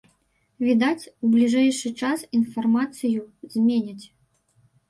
Відаць, у бліжэйшы час інфармацыю зменяць.